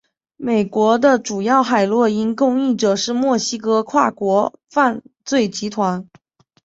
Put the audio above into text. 美国的主要海洛因供应者是墨西哥跨国犯罪集团。